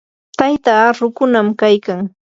taytaa rukunam kaykan.